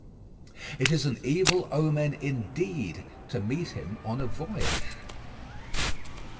It is an evil omen indeed to meet him on a voyage.